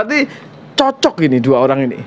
berarti cocok ini dua orang ini